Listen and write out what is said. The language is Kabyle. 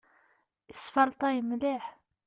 Isfalṭay mliḥ.